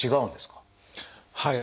はい。